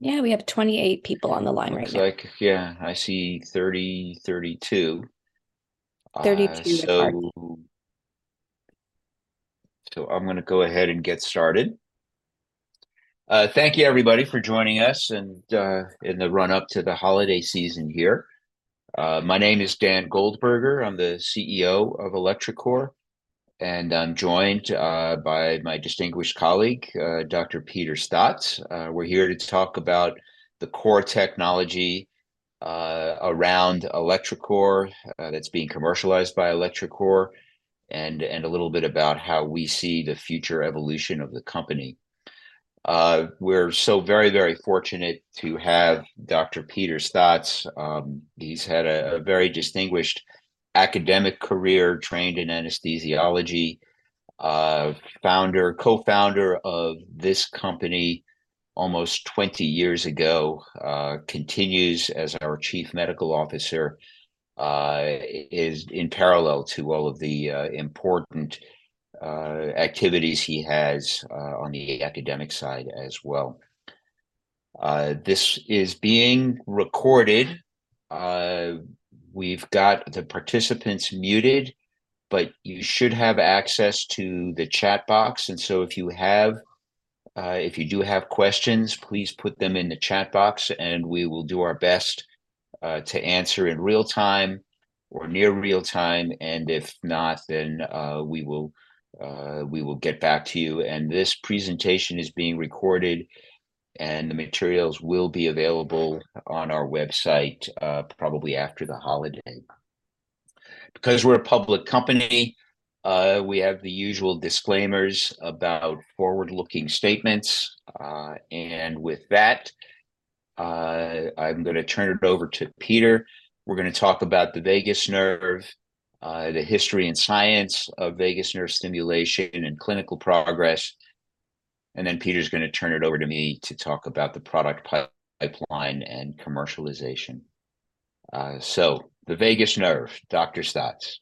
Yeah, we have 28 people on the line right now. Looks like, yeah, I see 30, 32. 32 in the park. So I'm gonna go ahead and get started. Thank you, everybody, for joining us, and, in the run-up to the holiday season here. My name is Dan Goldberger. I'm the CEO of electroCore, and I'm joined by my distinguished colleague, Dr. Peter Staats. We're here to talk about the core technology around electroCore that's being commercialized by electroCore, and a little bit about how we see the future evolution of the company. We're so very, very fortunate to have Dr. Peter Staats. He's had a very distinguished academic career, trained in anesthesiology. Co-founder of this company almost 20 years ago, continues as our Chief Medical Officer, is in parallel to all of the important activities he has on the academic side as well. This is being recorded. We've got the participants muted, but you should have access to the chat box, and so if you have, if you do have questions, please put them in the chat box and we will do our best to answer in real time or near real time, and if not, then we will get back to you. This presentation is being recorded, and the materials will be available on our website, probably after the holiday. Because we're a public company, we have the usual disclaimers about forward-looking statements. With that, I'm gonna turn it over to Peter. We're gonna talk about the vagus nerve, the history and science of vagus nerve stimulation and clinical progress, and then Peter's gonna turn it over to me to talk about the product pipeline and commercialization. So the vagus nerve, Dr. Staats.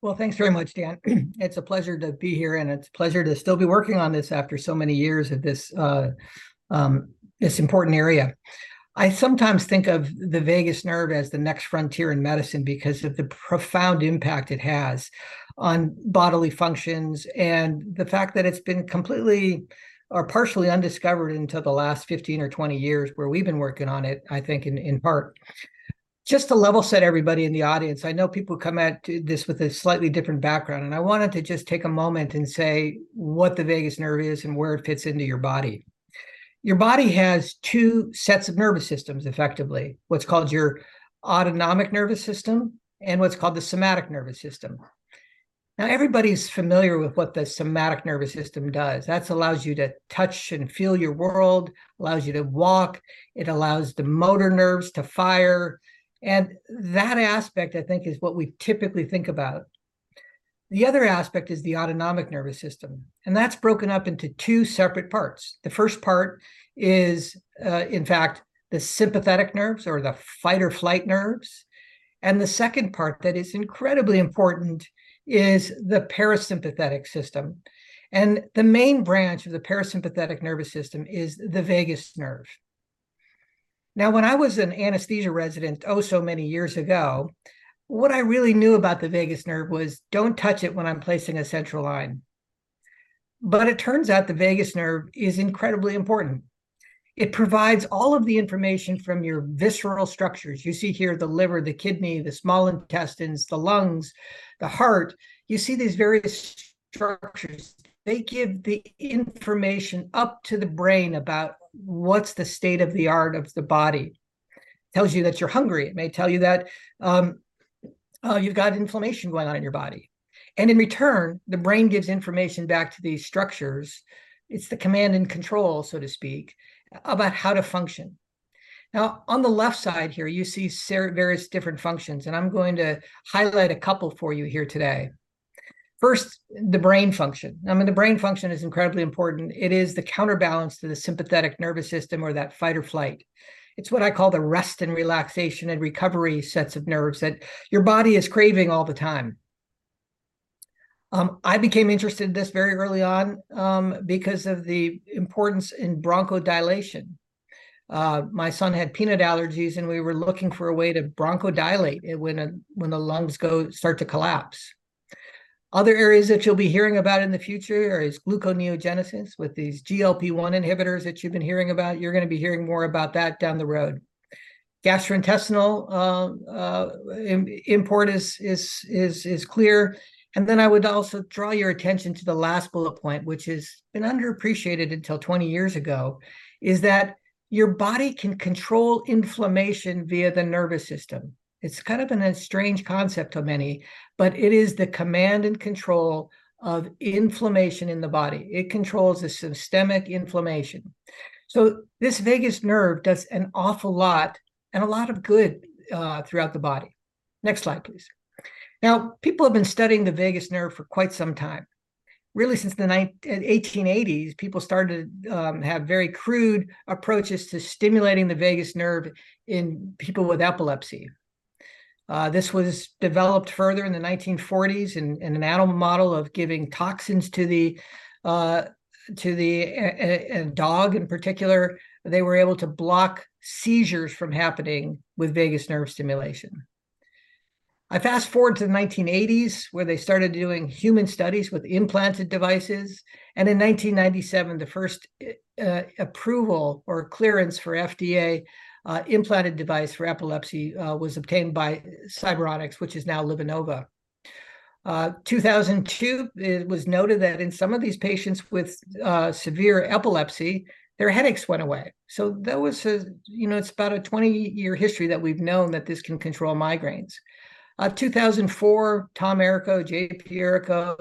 Well, thanks very much, Dan. It's a pleasure to be here, and it's a pleasure to still be working on this after so many years at this, this important area. I sometimes think of the vagus nerve as the next frontier in medicine because of the profound impact it has on bodily functions, and the fact that it's been completely or partially undiscovered until the last 15 or 20 years, where we've been working on it, I think, in part. Just to level set everybody in the audience, I know people come at this with a slightly different background, and I wanted to just take a moment and say what the vagus nerve is and where it fits into your body. Your body has two sets of nervous systems, effectively, what's called your autonomic nervous system and what's called the somatic nervous system. Now, everybody's familiar with what the somatic nervous system does. That allows you to touch and feel your world, allows you to walk, it allows the motor nerves to fire, and that aspect, I think, is what we typically think about. The other aspect is the autonomic nervous system, and that's broken up into two separate parts. The first part is, in fact, the sympathetic nerves or the fight or flight nerves, and the second part that is incredibly important is the parasympathetic system, and the main branch of the parasympathetic nervous system is the vagus nerve. Now, when I was an anesthesia resident, oh, so many years ago, what I really knew about the vagus nerve was, "Don't touch it when I'm placing a central line." But it turns out the vagus nerve is incredibly important. It provides all of the information from your visceral structures. You see here the liver, the kidney, the small intestines, the lungs, the heart. You see these various structures. They give the information up to the brain about what's the state of the body. It tells you that you're hungry. It may tell you that you've got inflammation going on in your body. And in return, the brain gives information back to these structures. It's the command and control, so to speak, about how to function. Now, on the left side here, you see various different functions, and I'm going to highlight a couple for you here today. First, the brain function. I mean, the brain function is incredibly important. It is the counterbalance to the sympathetic nervous system or that fight or flight. It's what I call the rest and relaxation and recovery sets of nerves that your body is craving all the time. I became interested in this very early on, because of the importance in bronchodilation. My son had peanut allergies, and we were looking for a way to bronchodilate it when the lungs start to collapse. Other areas that you'll be hearing about in the future is gluconeogenesis with these GLP-1 inhibitors that you've been hearing about. You're gonna be hearing more about that down the road. Gastrointestinal import is clear. And then I would also draw your attention to the last bullet point, which has been underappreciated until 20 years ago, is that your body can control inflammation via the nervous system. It's kind of a strange concept to many, but it is the command and control of inflammation in the body. It controls the systemic inflammation. So this vagus nerve does an awful lot, and a lot of good throughout the body. Next slide, please. Now, people have been studying the vagus nerve for quite some time. Really since the 1880s, people started to have very crude approaches to stimulating the vagus nerve in people with epilepsy. This was developed further in the 1940s in an animal model of giving toxins to the dog in particular. They were able to block seizures from happening with vagus nerve stimulation. I fast-forward to the 1980s, where they started doing human studies with implanted devices, and in 1997, the first approval or clearance for FDA implanted device for epilepsy was obtained by Cyberonics, which is now LivaNova. 2002, it was noted that in some of these patients with severe epilepsy, their headaches went away. So that was, you know, it's about a 20-year history that we've known that this can control migraines. 2004, Tom Erica, JP Erica,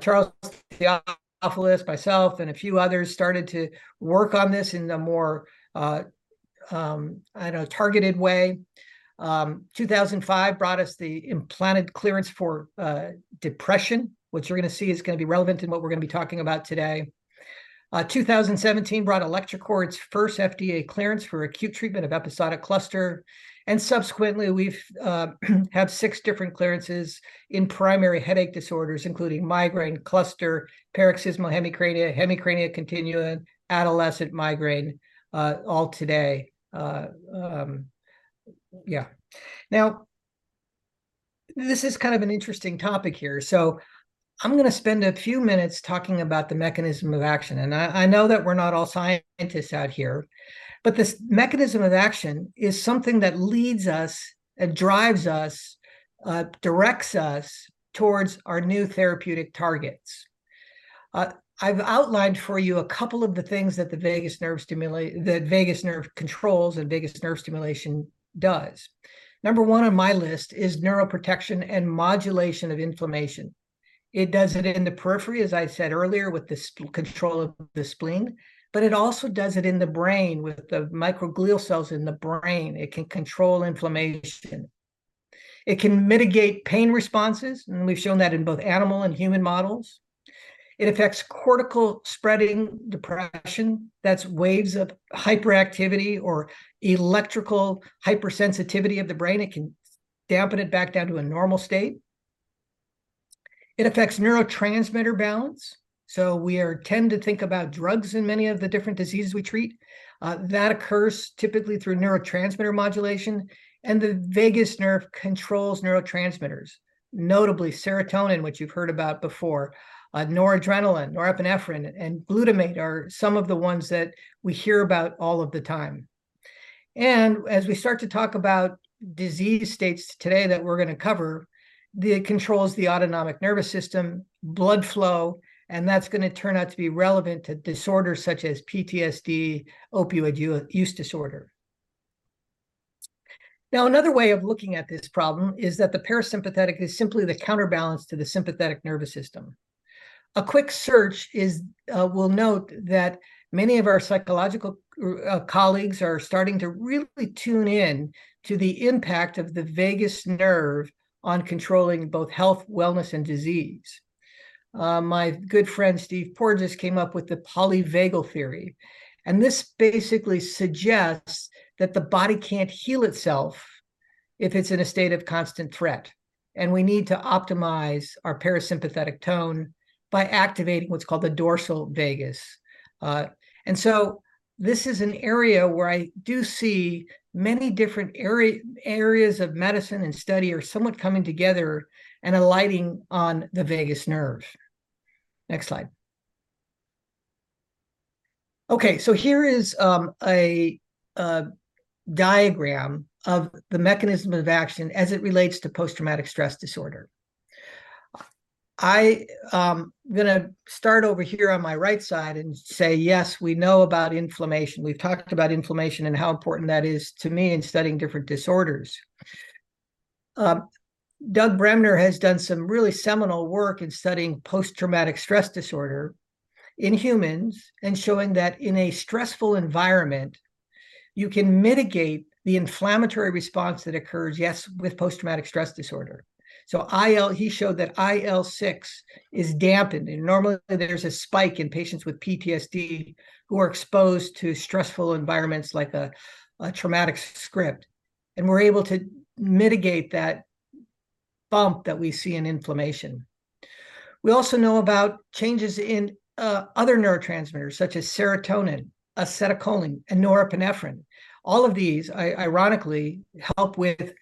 Charles Theofilos, myself, and a few others started to work on this in a more, I don't know, targeted way. 2005 brought us the implanted clearance for depression, which we're gonna see is gonna be relevant in what we're gonna be talking about today. 2017 brought electroCore its first FDA clearance for acute treatment of episodic cluster, and subsequently, we've have 6 different clearances in primary headache disorders, including migraine, cluster, paroxysmal hemicrania, hemicrania continua, adolescent migraine, all today. Yeah. Now, this is kind of an interesting topic here, so I'm gonna spend a few minutes talking about the mechanism of action. And I know that we're not all scientists out here, but this mechanism of action is something that leads us and drives us, directs us towards our new therapeutic targets. I've outlined for you a couple of the things that the vagus nerve that vagus nerve controls and vagus nerve stimulation does. Number one on my list is neuroprotection and modulation of inflammation. It does it in the periphery, as I said earlier, with the control of the spleen, but it also does it in the brain with the microglial cells in the brain. It can control inflammation. It can mitigate pain responses, and we've shown that in both animal and human models. It affects cortical spreading depression. That's waves of hyperactivity or electrical hypersensitivity of the brain. It can dampen it back down to a normal state. It affects neurotransmitter balance, so we tend to think about drugs in many of the different diseases we treat. That occurs typically through neurotransmitter modulation, and the vagus nerve controls neurotransmitters, notably serotonin, which you've heard about before. Noradrenaline, norepinephrine, and glutamate are some of the ones that we hear about all of the time. And as we start to talk about disease states today that we're gonna cover, it controls the autonomic nervous system, blood flow, and that's gonna turn out to be relevant to disorders such as PTSD, opioid use disorder. Now, another way of looking at this problem is that the parasympathetic is simply the counterbalance to the sympathetic nervous system. A quick search will note that many of our psychological colleagues are starting to really tune in to the impact of the vagus nerve on controlling both health, wellness, and disease. My good friend Steve Porges came up with the polyvagal theory, and this basically suggests that the body can't heal itself if it's in a state of constant threat, and we need to optimize our parasympathetic tone by activating what's called the dorsal vagus. And so this is an area where I do see many different areas of medicine and study are somewhat coming together and alighting on the vagus nerve. Next slide. Okay, so here is a diagram of the mechanism of action as it relates to post-traumatic stress disorder. I gonna start over here on my right side and say, yes, we know about inflammation. We've talked about inflammation and how important that is to me in studying different disorders. Doug Bremner has done some really seminal work in studying post-traumatic stress disorder in humans and showing that in a stressful environment, you can mitigate the inflammatory response that occurs, yes, with post-traumatic stress disorder. So IL-6 is dampened, and normally there's a spike in patients with PTSD who are exposed to stressful environments, like a traumatic script, and we're able to mitigate that bump that we see in inflammation. We also know about changes in other neurotransmitters, such as serotonin, acetylcholine, and norepinephrine. All of these ironically help with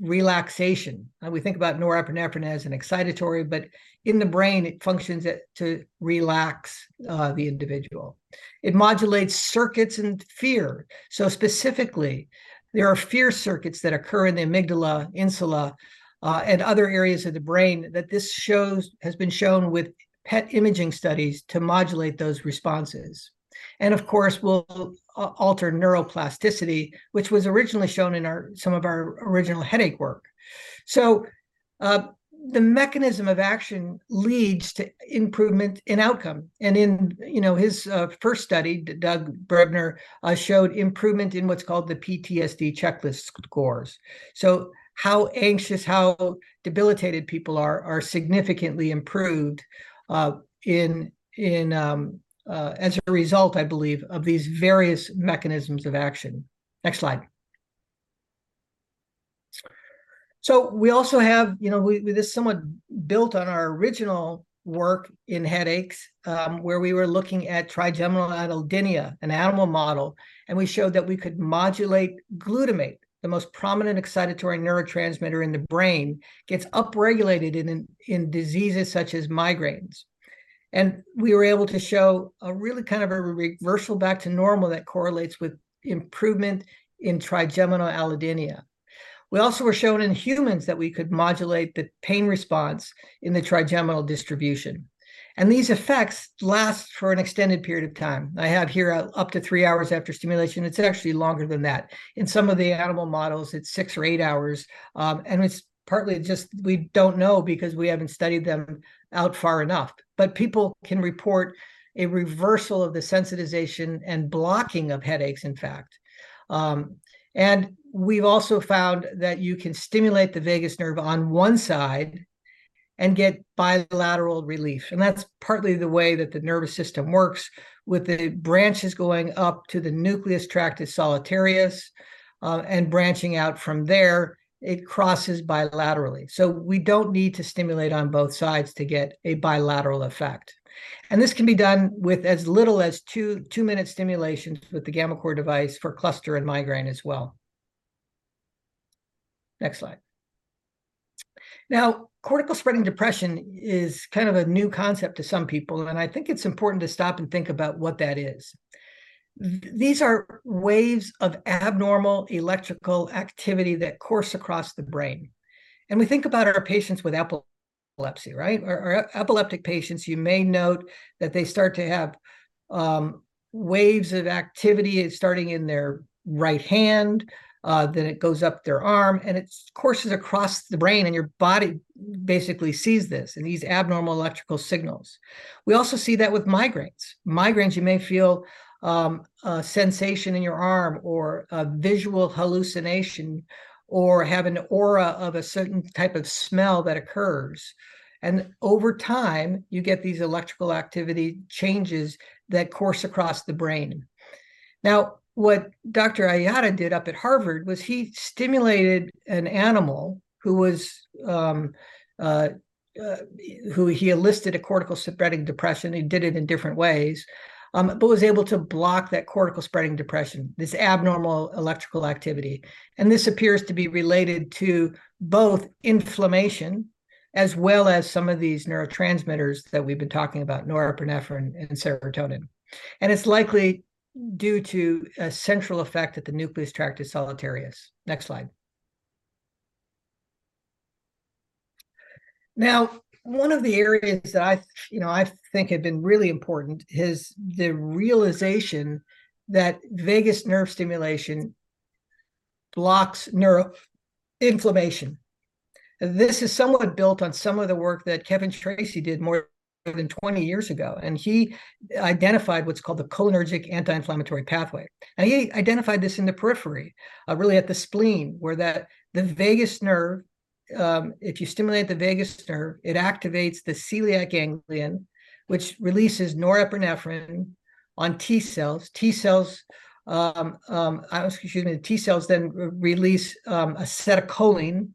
relaxation. We think about norepinephrine as an excitatory, but in the brain, it functions to relax the individual. It modulates circuits and fear. So specifically, there are fear circuits that occur in the amygdala, insula, and other areas of the brain that has been shown with PET imaging studies to modulate those responses. And of course, will alter neuroplasticity, which was originally shown in our, some of our original headache work. So, the mechanism of action leads to improvement in outcome, and in, you know, his first study, Doug Bremner showed improvement in what's called the PTSD Checklist scores. So how anxious, how debilitated people are, are significantly improved in as a result, I believe, of these various mechanisms of action. Next slide. So we also have, you know, this somewhat built on our original work in headaches, where we were looking at trigeminal allodynia, an animal model, and we showed that we could modulate glutamate. The most prominent excitatory neurotransmitter in the brain gets upregulated in diseases such as migraines, and we were able to show a really kind of a reversal back to normal that correlates with improvement in trigeminal allodynia. We also were shown in humans that we could modulate the pain response in the trigeminal distribution, and these effects last for an extended period of time. I have here up to 3 hours after stimulation. It's actually longer than that. In some of the animal models, it's 6 or 8 hours, and it's partly just we don't know because we haven't studied them out far enough. But people can report a reversal of the sensitization and blocking of headaches, in fact. And we've also found that you can stimulate the vagus nerve on one side and get bilateral relief, and that's partly the way that the nervous system works, with the branches going up to the nucleus tractus solitarius. Branching out from there, it crosses bilaterally. So we don't need to stimulate on both sides to get a bilateral effect, and this can be done with as little as two two-minute stimulations with the gammaCore device for cluster and migraine as well. Next slide. Now, cortical spreading depression is kind of a new concept to some people, and I think it's important to stop and think about what that is. These are waves of abnormal electrical activity that course across the brain, and we think about our patients with epilepsy, right? Our epileptic patients, you may note that they start to have waves of activity. It's starting in their right hand, then it goes up their arm, and it courses across the brain, and your body basically sees this in these abnormal electrical signals. We also see that with migraines. Migraines, you may feel, a sensation in your arm, or a visual hallucination, or have an aura of a certain type of smell that occurs, and over time, you get these electrical activity changes that course across the brain. Now, what Dr. Ayata did up at Harvard was he stimulated an animal who he elicited a cortical spreading depression. He did it in different ways, but was able to block that cortical spreading depression, this abnormal electrical activity, and this appears to be related to both inflammation as well as some of these neurotransmitters that we've been talking about, norepinephrine and serotonin, and it's likely due to a central effect at the nucleus tractus solitarius. Next slide. Now, one of the areas that I, you know, I think have been really important is the realization that vagus nerve stimulation blocks neuroinflammation. This is somewhat built on some of the work that Kevin Tracey did more than 20 years ago, and he identified what's called the cholinergic anti-inflammatory pathway. Now, he identified this in the periphery, really at the spleen, where that the vagus nerve, if you stimulate the vagus nerve, it activates the celiac ganglion, which releases norepinephrine on T cells. T cells... Excuse me. T cells then release acetylcholine,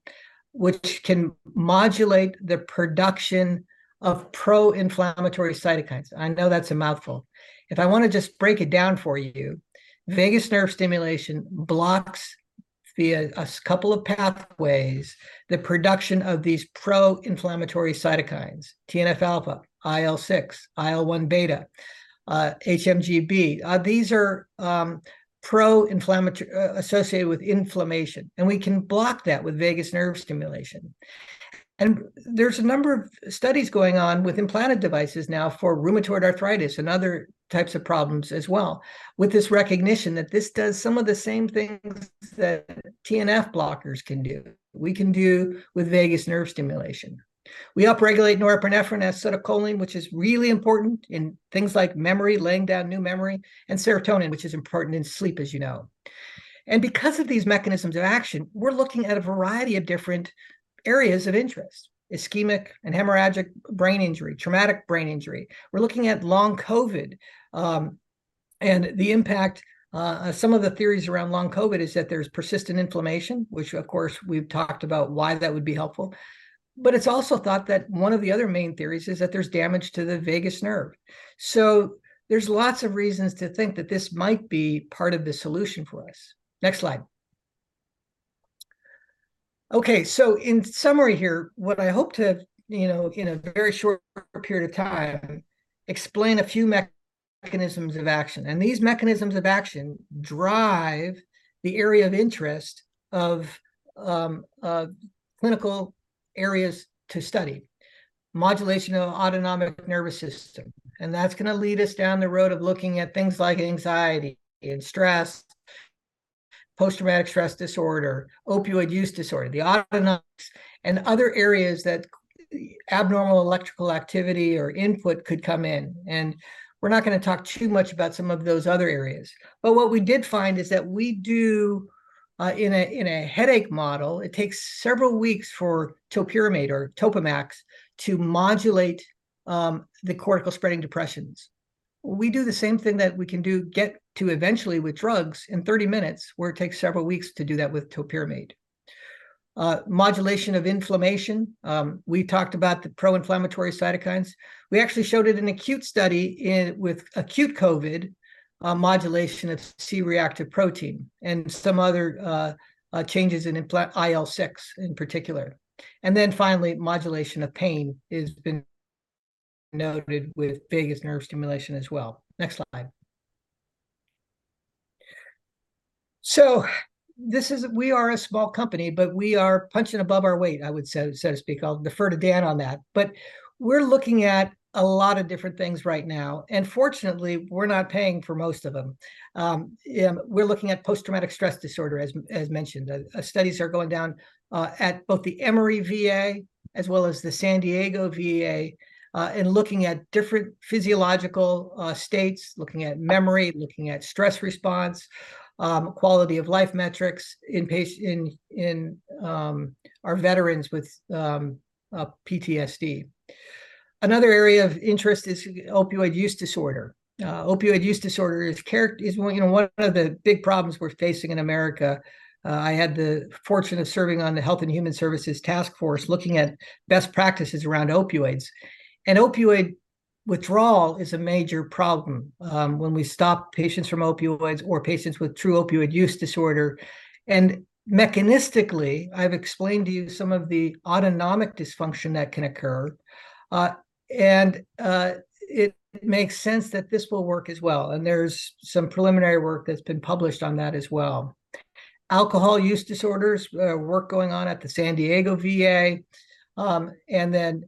which can modulate the production of pro-inflammatory cytokines. I know that's a mouthful. If I want to just break it down for you, vagus nerve stimulation blocks, via a couple of pathways, the production of these pro-inflammatory cytokines: TNF alpha, IL-6, IL-1 beta, HMGB. These are pro-inflammatory associated with inflammation, and we can block that with vagus nerve stimulation. And there's a number of studies going on with implanted devices now for rheumatoid arthritis and other types of problems as well, with this recognition that this does some of the same things that TNF blockers can do, we can do with vagus nerve stimulation. We upregulate norepinephrine and acetylcholine, which is really important in things like memory, laying down new memory, and serotonin, which is important in sleep, as you know. Because of these mechanisms of action, we're looking at a variety of different areas of interest: ischemic and hemorrhagic brain injury, traumatic brain injury. We're looking at long COVID, and the impact. Some of the theories around long COVID is that there's persistent inflammation, which of course, we've talked about why that would be helpful, but it's also thought that one of the other main theories is that there's damage to the vagus nerve. So there's lots of reasons to think that this might be part of the solution for us. Next slide. Okay, so in summary here, what I hope to, you know, in a very short period of time, explain a few mechanisms of action, and these mechanisms of action drive the area of interest of, clinical areas to study. Modulation of autonomic nervous system, and that's gonna lead us down the road of looking at things like anxiety and stress, post-traumatic stress disorder, opioid use disorder, the autonomics and other areas that abnormal electrical activity or input could come in, and we're not gonna talk too much about some of those other areas. But what we did find is that we do in a headache model, it takes several weeks for topiramate or Topamax to modulate the cortical spreading depressions. We do the same thing that we can do get to eventually with drugs in 30 minutes, where it takes several weeks to do that with topiramate. Modulation of inflammation, we talked about the pro-inflammatory cytokines. We actually showed in an acute study with acute COVID modulation of C-reactive protein and some other changes in IL-6 in particular. Then finally, modulation of pain has been noted with vagus nerve stimulation as well. Next slide. So, we are a small company, but we are punching above our weight, I would say, so to speak. I'll defer to Dan on that. But we're looking at a lot of different things right now, and fortunately, we're not paying for most of them. We're looking at post-traumatic stress disorder, as mentioned. Studies are going on at both the Emory VA, as well as the San Diego VA, and looking at different physiological states, looking at memory, looking at stress response, quality of life metrics in our veterans with PTSD. Another area of interest is opioid use disorder. Opioid use disorder is, you know, one of the big problems we're facing in America. I had the fortune of serving on the Health and Human Services Task Force, looking at best practices around opioids. Opioid withdrawal is a major problem when we stop patients from opioids or patients with true opioid use disorder. Mechanistically, I've explained to you some of the autonomic dysfunction that can occur, and it makes sense that this will work as well, and there's some preliminary work that's been published on that as well. Alcohol use disorders, work going on at the San Diego VA, and then,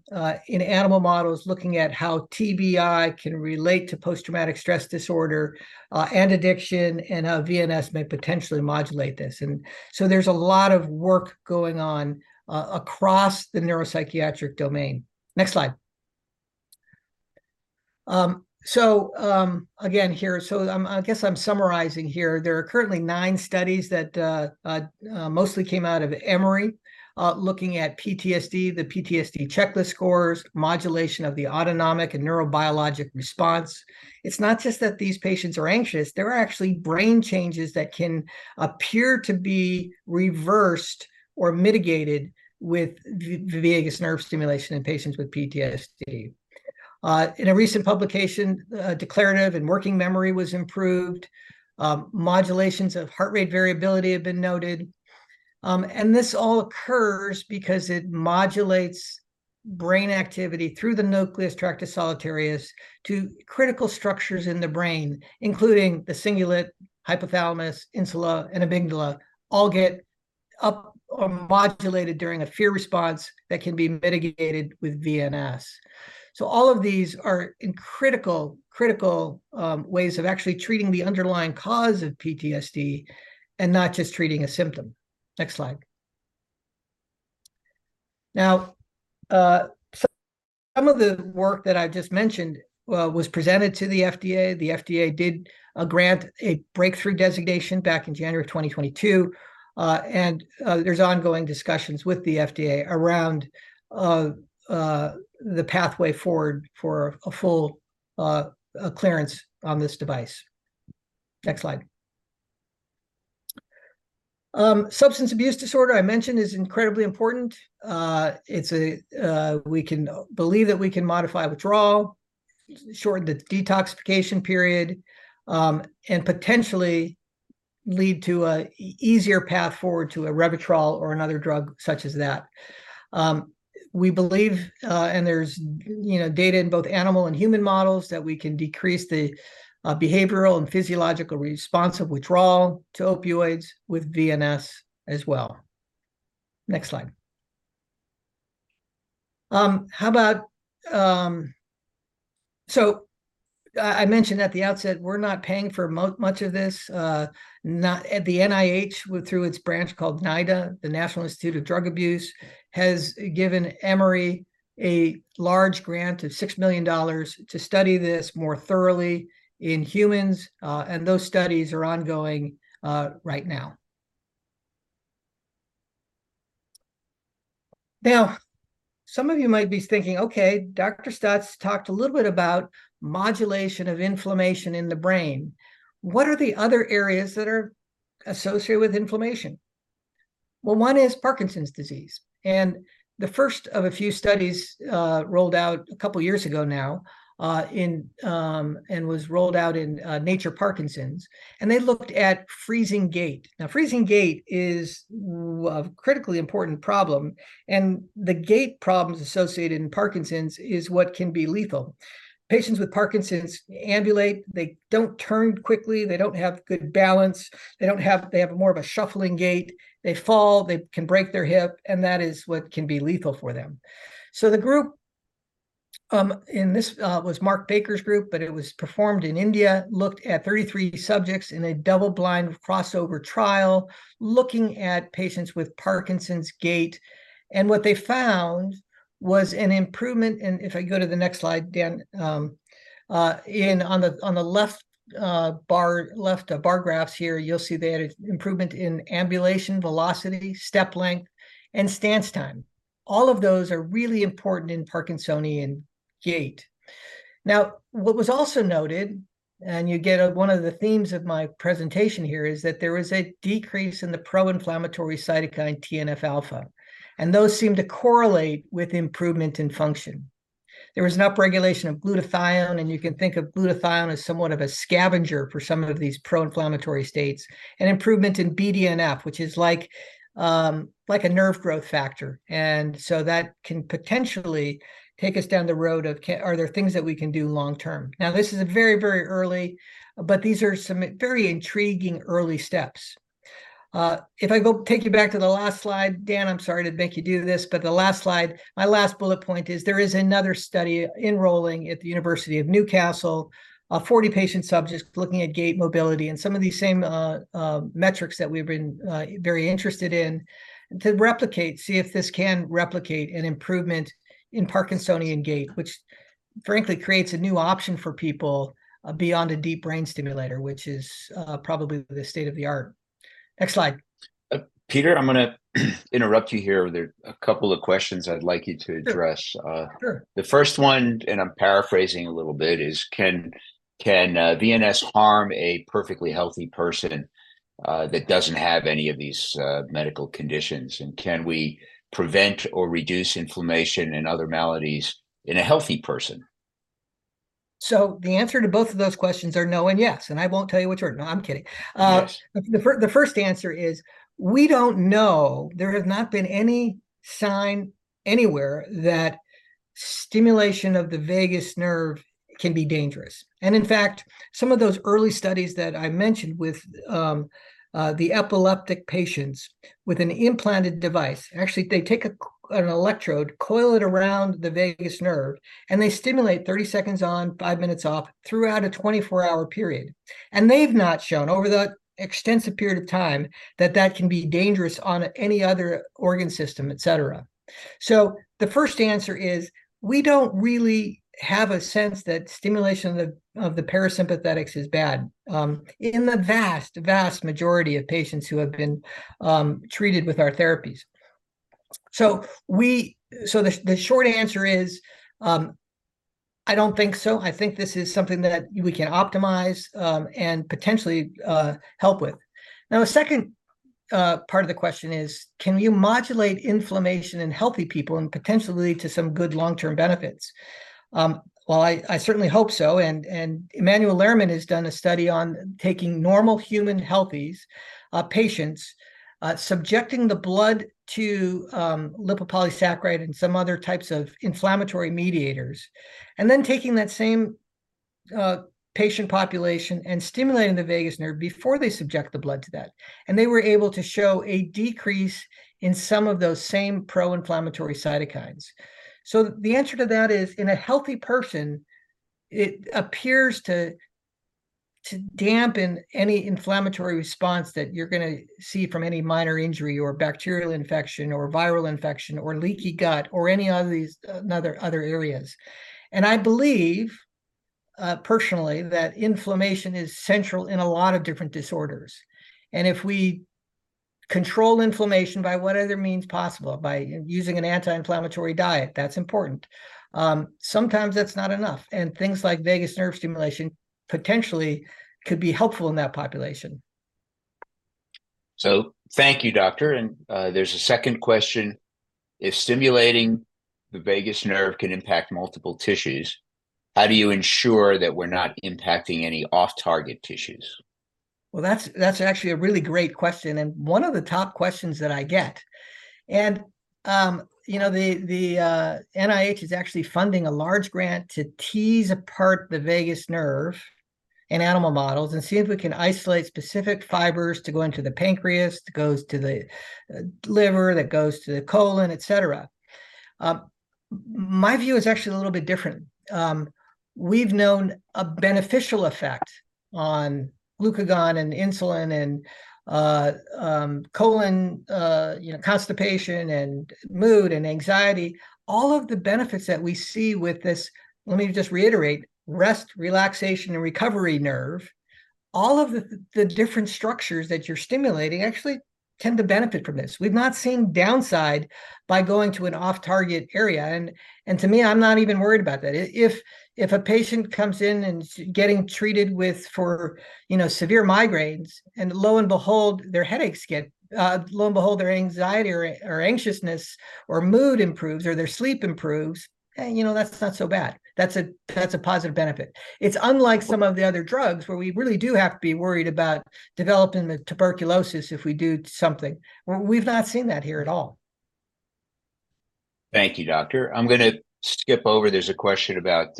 in animal models, looking at how TBI can relate to post-traumatic stress disorder, and addiction, and how VNS may potentially modulate this. So there's a lot of work going on across the neuropsychiatric domain. Next slide. Again, here, I guess I'm summarizing here. There are currently nine studies that mostly came out of Emory, looking at PTSD, the PTSD checklist scores, modulation of the autonomic and neurobiologic response. It's not just that these patients are anxious, there are actually brain changes that can appear to be reversed or mitigated with V- vagus nerve stimulation in patients with PTSD. In a recent publication, declarative and working memory was improved, modulations of heart rate variability have been noted. And this all occurs because it modulates brain activity through the nucleus tractus solitarius to critical structures in the brain, including the cingulate, hypothalamus, insula, and amygdala, all get up or modulated during a fear response that can be mitigated with VNS. So all of these are in critical, critical, ways of actually treating the underlying cause of PTSD and not just treating a symptom. Next slide. Now, some of the work that I just mentioned was presented to the FDA. The FDA did grant a breakthrough designation back in January 2022, and there's ongoing discussions with the FDA around the pathway forward for a full clearance on this device. Next slide. Substance abuse disorder, I mentioned, is incredibly important. It's a we can believe that we can modify withdrawal, shorten the detoxification period, and potentially lead to an easier path forward to a Revia trial or another drug such as that. We believe, and there's, you know, data in both animal and human models, that we can decrease the behavioral and physiological response of withdrawal to opioids with VNS as well. Next slide. How about, so I mentioned at the outset, we're not paying for much of this, not at the NIH, through its branch called NIDA, the National Institute on Drug Abuse, has given Emory a large grant of $6 million to study this more thoroughly in humans, and those studies are ongoing right now. Now, some of you might be thinking, "Okay, Dr. Stutz talked a little bit about modulation of inflammation in the brain. What are the other areas that are associated with inflammation?" Well, one is Parkinson's disease, and the first of a few studies rolled out a couple of years ago now in Nature Parkinson's, and they looked at freezing gait. Now, freezing gait is a critically important problem, and the gait problems associated in Parkinson's is what can be lethal. Patients with Parkinson's ambulate, they don't turn quickly, they don't have good balance, they have more of a shuffling gait. They fall, they can break their hip, and that is what can be lethal for them. So and this was Mark Baker's group, but it was performed in India, looked at 33 subjects in a double-blind crossover trial, looking at patients with Parkinson's gait, and what they found was an improvement, and if I go to the next slide, Dan, on the left bar graphs here, you'll see they had an improvement in ambulation velocity, step length, and stance time. All of those are really important in Parkinsonian gait. Now, what was also noted, and you get one of the themes of my presentation here, is that there was a decrease in the pro-inflammatory cytokine TNF alpha, and those seem to correlate with improvement in function. There was an upregulation of glutathione, and you can think of glutathione as somewhat of a scavenger for some of these pro-inflammatory states, and improvement in BDNF, which is like, like a nerve growth factor, and so that can potentially take us down the road of are there things that we can do long-term? Now, this is very, very early, but these are some very intriguing early steps. If I go take you back to the last slide, Dan, I'm sorry to make you do this, but the last slide, my last bullet point is there is another study enrolling at the University of Newcastle, 40 patient subjects looking at gait mobility and some of these same metrics that we've been very interested in, to replicate, see if this can replicate an improvement in Parkinsonian gait, which frankly creates a new option for people beyond a deep brain stimulator, which is probably the state-of-the-art. Next slide. Peter, I'm gonna interrupt you here. There are a couple of questions I'd like you to address. Sure, sure. The first one, and I'm paraphrasing a little bit, is, can VNS harm a perfectly healthy person that doesn't have any of these medical conditions? And can we prevent or reduce inflammation and other maladies in a healthy person? So the answer to both of those questions are no and yes, and I won't tell you which are. No, I'm kidding. Yes. The first answer is, we don't know. There has not been any sign anywhere that stimulation of the vagus nerve can be dangerous, and in fact, some of those early studies that I mentioned with the epileptic patients with an implanted device. Actually, they take an electrode, coil it around the vagus nerve, and they stimulate 30 seconds on, 5 minutes off, throughout a 24-hour period. And they've not shown, over the extensive period of time, that that can be dangerous on any other organ system, et cetera. So the first answer is, we don't really have a sense that stimulation of the parasympathetics is bad, in the vast, vast majority of patients who have been treated with our therapies. So the short answer is, I don't think so. I think this is something that we can optimize and potentially help with. Now, a second part of the question is, can you modulate inflammation in healthy people and potentially lead to some good long-term benefits? Well, I certainly hope so, and Emmanuel Lerman has done a study on taking normal human healthy patients, subjecting the blood to lipopolysaccharide and some other types of inflammatory mediators, and then taking that same patient population and stimulating the vagus nerve before they subject the blood to that, and they were able to show a decrease in some of those same pro-inflammatory cytokines. So the answer to that is, in a healthy person, it appears to dampen any inflammatory response that you're gonna see from any minor injury, or bacterial infection, or viral infection, or leaky gut, or any other of these areas. I believe, personally, that inflammation is central in a lot of different disorders, and if we control inflammation by whatever means possible, by using an anti-inflammatory diet, that's important, sometimes that's not enough, and things like vagus nerve stimulation potentially could be helpful in that population. So thank you, doctor, and there's a second question: If stimulating the vagus nerve can impact multiple tissues, how do you ensure that we're not impacting any off-target tissues? Well, that's, that's actually a really great question, and one of the top questions that I get, and, you know, the NIH is actually funding a large grant to tease apart the vagus nerve in animal models and see if we can isolate specific fibers to go into the pancreas, that goes to the liver, that goes to the colon, et cetera. My view is actually a little bit different. We've known a beneficial effect on glucagon and insulin, and colon, you know, constipation, and mood, and anxiety. All of the benefits that we see with this, let me just reiterate, rest, relaxation, and recovery nerve, all of the different structures that you're stimulating actually tend to benefit from this. We've not seen downside by going to an off-target area, and to me, I'm not even worried about that. If a patient comes in and getting treated with, for, you know, severe migraines, and lo and behold, their headaches get, lo and behold, their anxiety or anxiousness or mood improves or their sleep improves, hey, you know, that's not so bad. That's a positive benefit. It's unlike some of the other drugs, where we really do have to be worried about developing the tuberculosis if we do something. We've not seen that here at all. Thank you, Doctor. I'm gonna skip over, there's a question about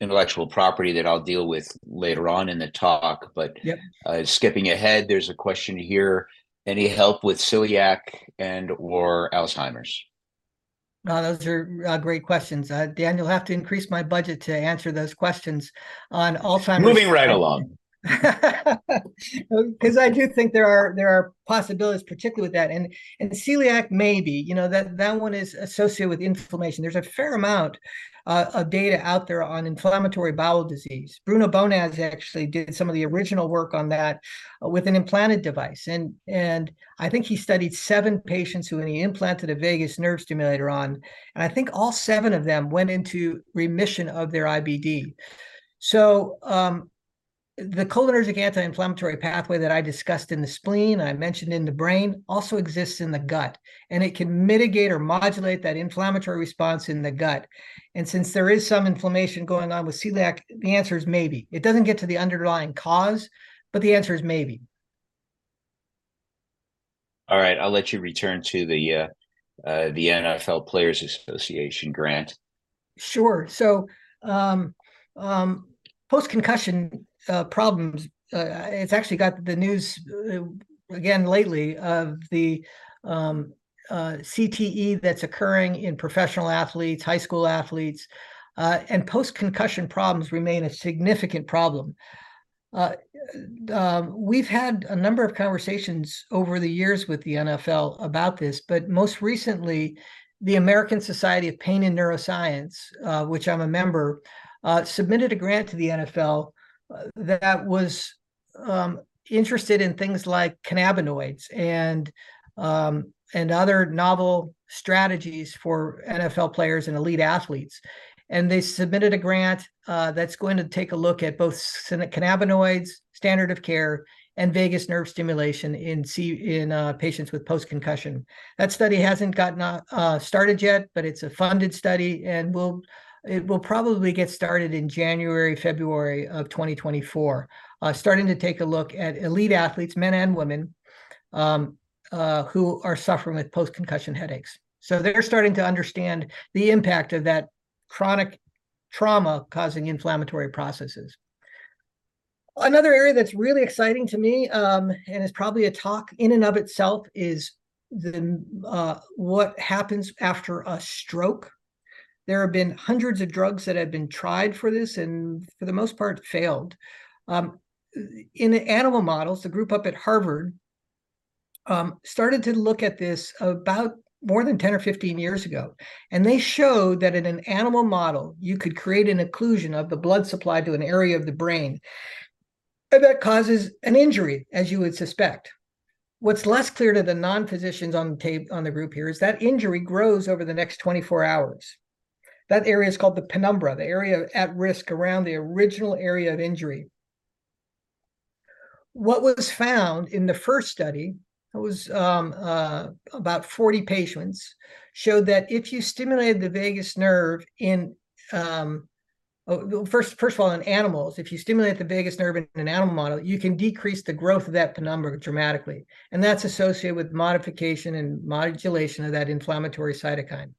intellectual property that I'll deal with later on in the talk, but- Yep... skipping ahead, there's a question here: any help with celiac and/or Alzheimer's? No, those are, great questions. Dan, you'll have to increase my budget to answer those questions on Alzheimer's- Moving right along. 'Cause I do think there are, there are possibilities, particularly with that, and, and celiac maybe. You know, that, that one is associated with inflammation. There's a fair amount of data out there on inflammatory bowel disease. Bruno Bonaz actually did some of the original work on that with an implanted device, and, and I think he studied seven patients who... and he implanted a vagus nerve stimulator on, and I think all seven of them went into remission of their IBD. So, the cholinergic anti-inflammatory pathway that I discussed in the spleen and I mentioned in the brain also exists in the gut, and it can mitigate or modulate that inflammatory response in the gut. And since there is some inflammation going on with celiac, the answer is maybe. It doesn't get to the underlying cause, but the answer is maybe. All right, I'll let you return to the NFL Players Association grant. Sure. So, post-concussion problems, it's actually got the news again lately of the CTE that's occurring in professional athletes, high school athletes, and post-concussion problems remain a significant problem. We've had a number of conversations over the years with the NFL about this, but most recently, the American Society of Pain and Neuroscience, which I'm a member, submitted a grant to the NFL that was interested in things like cannabinoids and other novel strategies for NFL players and elite athletes. And they submitted a grant that's going to take a look at both syn- cannabinoids, standard of care, and vagus nerve stimulation in C- in patients with post-concussion. That study hasn't gotten started yet, but it's a funded study, and it will probably get started in January, February of 2024. Starting to take a look at elite athletes, men and women, who are suffering with post-concussion headaches. So they're starting to understand the impact of that chronic trauma causing inflammatory processes. Another area that's really exciting to me, and is probably a talk in and of itself, is the what happens after a stroke. There have been hundreds of drugs that have been tried for this, and for the most part, failed. In the animal models, a group up at Harvard started to look at this about more than 10 or 15 years ago, and they showed that in an animal model, you could create an occlusion of the blood supply to an area of the brain, and that causes an injury, as you would suspect. What's less clear to the non-physicians on the group here is that injury grows over the next 24 hours. That area is called the penumbra, the area at risk around the original area of injury. What was found in the first study, it was about 40 patients, showed that if you stimulated the vagus nerve in... In animals, if you stimulate the vagus nerve in an animal model, you can decrease the growth of that penumbra dramatically, and that's associated with modification and modulation of that inflammatory cytokine.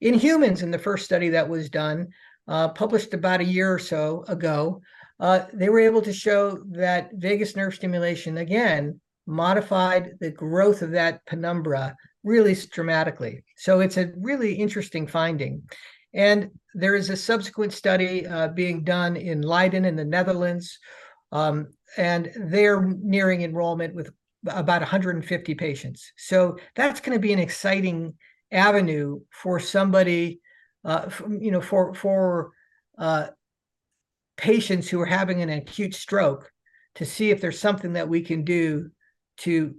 In humans, in the first study that was done, published about a year or so ago, they were able to show that vagus nerve stimulation, again, modified the growth of that penumbra really dramatically. So it's a really interesting finding, and there is a subsequent study, being done in Leiden, in the Netherlands, and they're nearing enrollment with about 150 patients. So that's gonna be an exciting avenue for somebody, you know, for patients who are having an acute stroke, to see if there's something that we can do to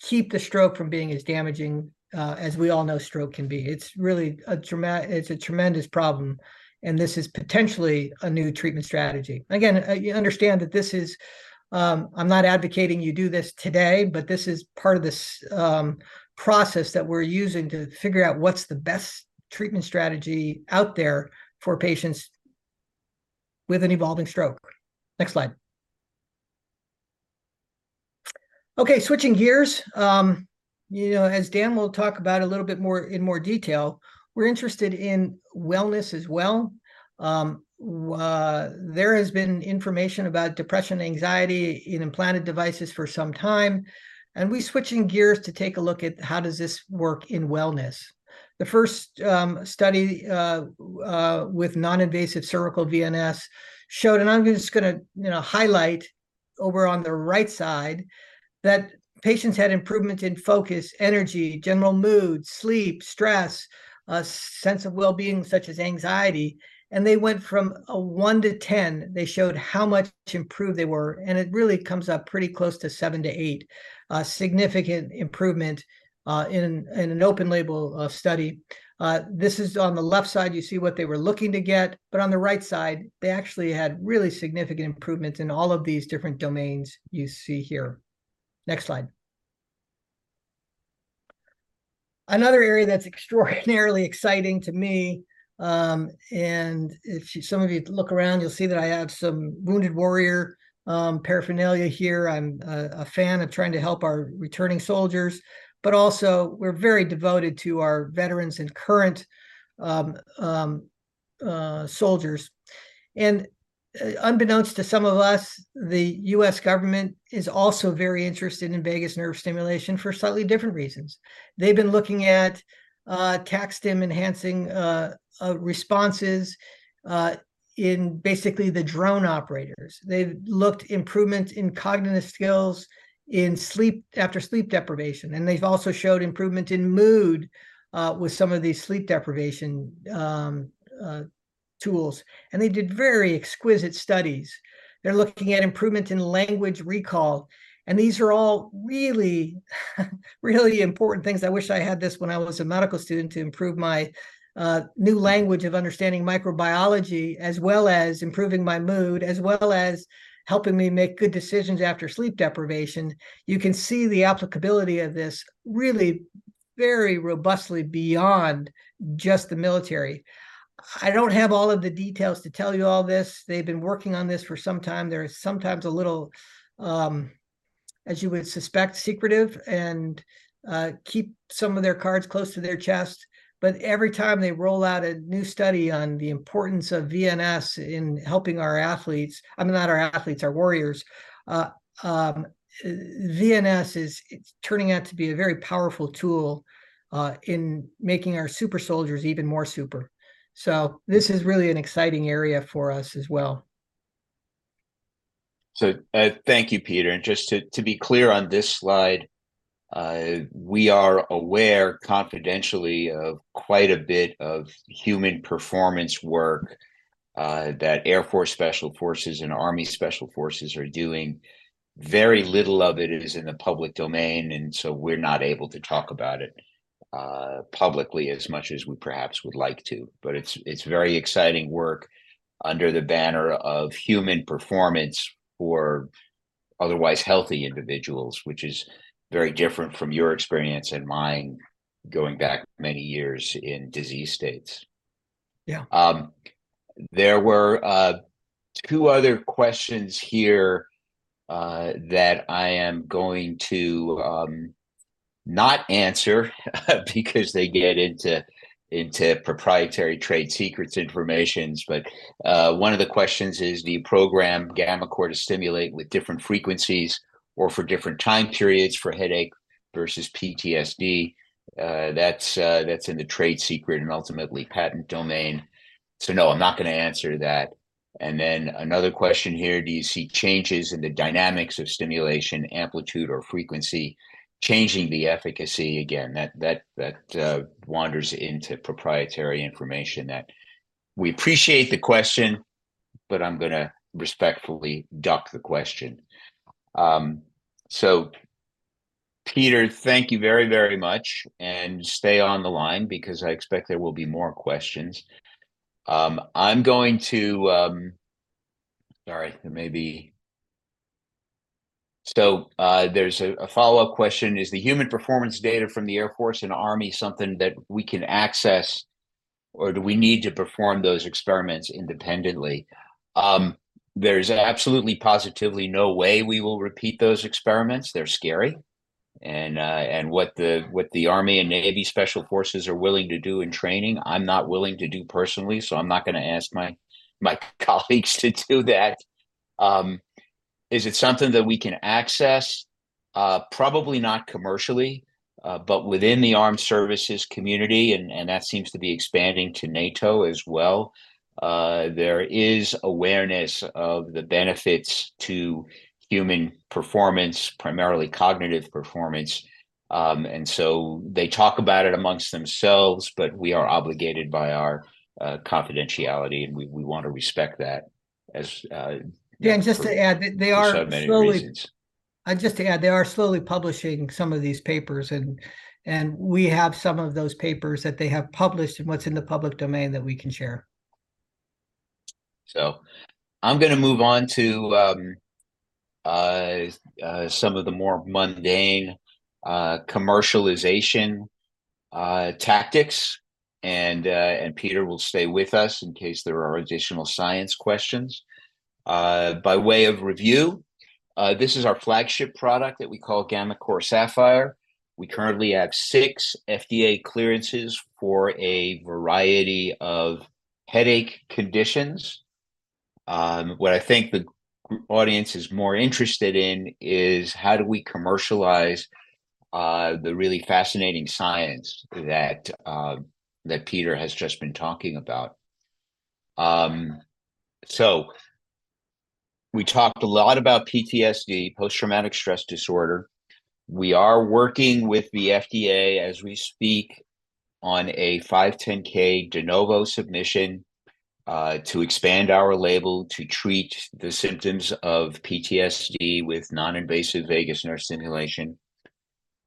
keep the stroke from being as damaging, as we all know stroke can be. It's really a tremendous problem, and this is potentially a new treatment strategy. Again, you understand that this is... I'm not advocating you do this today, but this is part of this process that we're using to figure out what's the best treatment strategy out there for patients with an evolving stroke. Next slide. Okay, switching gears, you know, as Dan will talk about a little bit more in more detail, we're interested in wellness as well. There has been information about depression, anxiety in implanted devices for some time, and we're switching gears to take a look at how does this work in wellness. The first study with non-invasive cervical VNS showed, and I'm just gonna, you know, highlight over on the right side, that patients had improvement in focus, energy, general mood, sleep, stress, a sense of well-being, such as anxiety, and they went from a 1-10. They showed how much improved they were, and it really comes up pretty close to 7-8. Significant improvement in an open-label study. This is on the left side, you see what they were looking to get, but on the right side, they actually had really significant improvements in all of these different domains you see here. Next slide. Another area that's extraordinarily exciting to me, and if you, some of you look around, you'll see that I have some wounded warrior paraphernalia here. I'm a fan of trying to help our returning soldiers, but also, we're very devoted to our veterans and current soldiers. And unbeknownst to some of us, the U.S. government is also very interested in vagus nerve stimulation for slightly different reasons. They've been looking at TacStim enhancing responses in basically the drone operators. They've looked improvement in cognitive skills, in sleep after sleep deprivation, and they've also showed improvement in mood with some of these sleep deprivation tools, and they did very exquisite studies. They're looking at improvement in language recall, and these are all really, really important things. I wish I had this when I was a medical student to improve my new language of understanding microbiology, as well as improving my mood, as well as helping me make good decisions after sleep deprivation. You can see the applicability of this really very robustly beyond just the military. I don't have all of the details to tell you all this. They've been working on this for some time. They're sometimes a little, as you would suspect, secretive, and keep some of their cards close to their chest. But every time they roll out a new study on the importance of VNS in helping our athletes... I mean, not our athletes, our warriors, VNS it's turning out to be a very powerful tool in making our super soldiers even more super. This is really an exciting area for us as well. So, thank you, Peter, and just to be clear on this slide, we are aware confidentially of quite a bit of human performance work that Air Force Special Forces and Army Special Forces are doing. Very little of it is in the public domain, and so we're not able to talk about it publicly as much as we perhaps would like to. But it's very exciting work under the banner of human performance for otherwise healthy individuals, which is very different from your experience and mine going back many years in disease states. Yeah. There were two other questions here that I am going to not answer because they get into proprietary trade secrets information. But one of the questions is, "Do you program gammaCore to stimulate with different frequencies or for different time periods for headache versus PTSD?" That's in the trade secret and ultimately patent domain. So no, I'm not gonna answer that. And then another question here: "Do you see changes in the dynamics of stimulation, amplitude, or frequency changing the efficacy?" Again, that wanders into proprietary information that we appreciate the question, but I'm gonna respectfully duck the question. So Peter, thank you very, very much, and stay on the line because I expect there will be more questions. I'm going to... Sorry, maybe... So, there's a follow-up question: "Is the human performance data from the Air Force and Army something that we can access, or do we need to perform those experiments independently?" There's absolutely, positively no way we will repeat those experiments. They're scary, and what the Army and Navy Special Forces are willing to do in training, I'm not willing to do personally, so I'm not gonna ask my colleagues to do that. Is it something that we can access? Probably not commercially, but within the armed services community, and that seems to be expanding to NATO as well, there is awareness of the benefits to human performance, primarily cognitive performance. And so they talk about it amongst themselves, but we are obligated by our confidentiality, and we want to respect that as Yeah, and just to add, they are slowly- For so many reasons. Just to add, they are slowly publishing some of these papers, and we have some of those papers that they have published and what's in the public domain that we can share. So I'm gonna move on to some of the more mundane commercialization tactics, and Peter will stay with us in case there are additional science questions. By way of review, this is our flagship product that we call gammaCore Sapphire. We currently have six FDA clearances for a variety of headache conditions. What I think the audience is more interested in is, how do we commercialize the really fascinating science that Peter has just been talking about? So we talked a lot about PTSD, post-traumatic stress disorder. We are working with the FDA as we speak on a 510(k) de novo submission to expand our label to treat the symptoms of PTSD with non-invasive vagus nerve stimulation.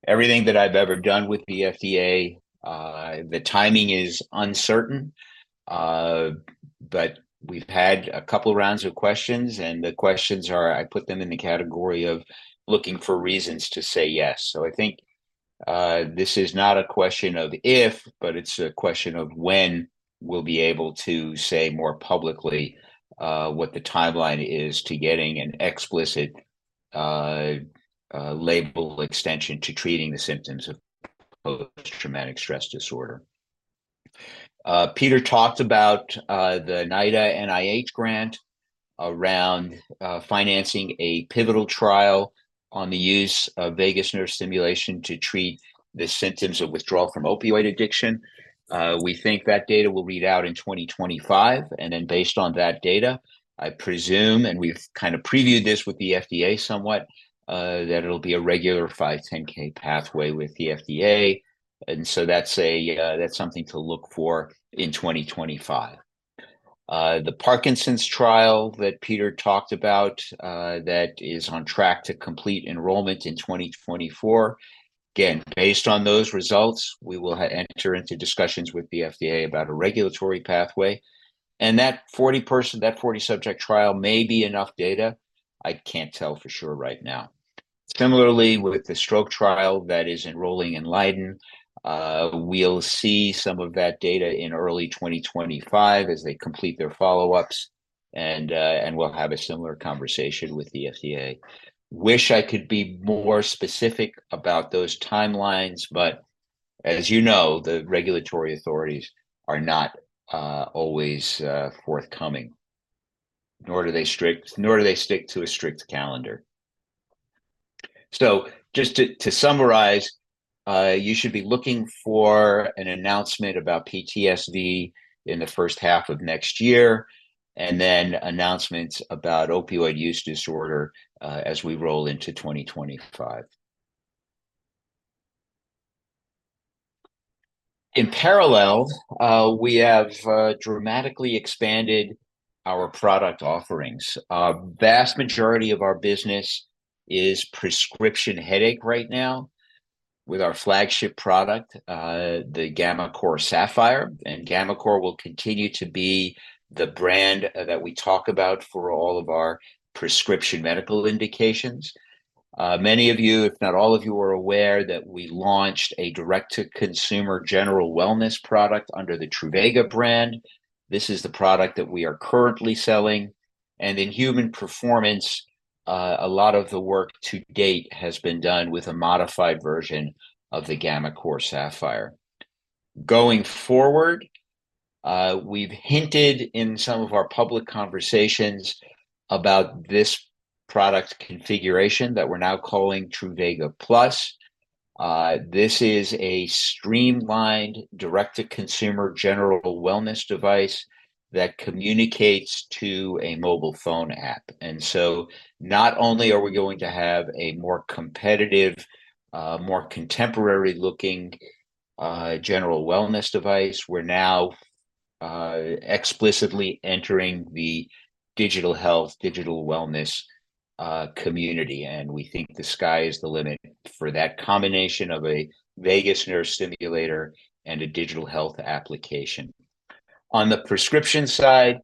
Everything that I've ever done with the FDA, the timing is uncertain, but we've had a couple of rounds of questions, and the questions are—I put them in the category of looking for reasons to say yes. So I think, this is not a question of if, but it's a question of when we'll be able to say more publicly, what the timeline is to getting an explicit, label extension to treating the symptoms of PTSD... post-traumatic stress disorder. Peter talked about, the NIDA NIH grant around, financing a pivotal trial on the use of vagus nerve stimulation to treat the symptoms of withdrawal from opioid addiction. We think that data will read out in 2025, and then based on that data, I presume, and we've kind of previewed this with the FDA somewhat, that it'll be a regular 510(k) pathway with the FDA. And so that's something to look for in 2025. The Parkinson's trial that Peter talked about, that is on track to complete enrollment in 2024. Again, based on those results, we will enter into discussions with the FDA about a regulatory pathway. And that 40-person, 40-subject trial may be enough data, I can't tell for sure right now. Similarly, with the stroke trial that is enrolling in Leiden, we'll see some of that data in early 2025 as they complete their follow-ups, and we'll have a similar conversation with the FDA. Wish I could be more specific about those timelines, but as you know, the regulatory authorities are not always forthcoming, nor do they stick to a strict calendar. So just to summarize, you should be looking for an announcement about PTSD in the first half of next year, and then announcements about opioid use disorder as we roll into 2025. In parallel, we have dramatically expanded our product offerings. A vast majority of our business is prescription headache right now with our flagship product, the gammaCore Sapphire. And gammaCore will continue to be the brand that we talk about for all of our prescription medical indications. Many of you, if not all of you, are aware that we launched a direct-to-consumer general wellness product under the Truvaga brand. This is the product that we are currently selling, and in human performance, a lot of the work to date has been done with a modified version of the gammaCore Sapphire. Going forward, we've hinted in some of our public conversations about this product configuration that we're now calling Truvaga Plus. This is a streamlined, direct-to-consumer general wellness device that communicates to a mobile phone app. And so not only are we going to have a more competitive, more contemporary-looking, general wellness device, we're now explicitly entering the digital health, digital wellness, community, and we think the sky is the limit for that combination of a vagus nerve stimulator and a digital health application. On the prescription side,